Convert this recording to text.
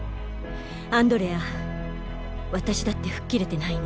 アンドレア私だって吹っ切れてないの。